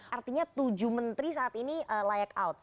artinya tujuh menteri saat ini layak out